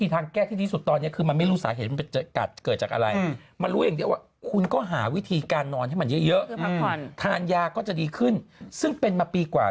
ส่งมาให้ดูเขาก็บอกเป็นกวง